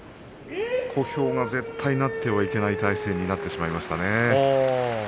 小兵が絶対になってはいけない体勢になってしまいましたね。